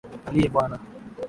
Aliye Bwana.